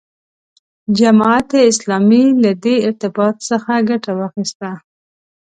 جماعت اسلامي له دې ارتباط څخه ګټه واخیسته.